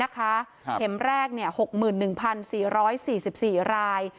เข็มแรก๖๑๔๔๔ราย